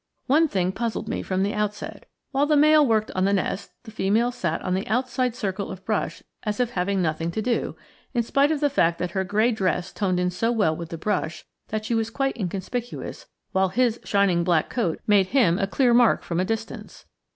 One thing puzzled me from the outset. While the male worked on the nest, the female sat on the outside circle of brush as if having nothing to do, in spite of the fact that her gray dress toned in so well with the brush that she was quite inconspicuous, while his shining black coat made him a clear mark from a distance.